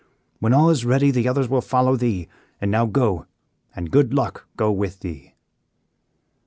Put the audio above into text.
When all is ready the others will follow thee. And now go and good luck go with thee."